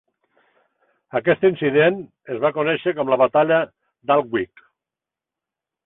Aquest incident es va conèixer com la batalla d'Alnwick.